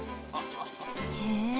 へえ。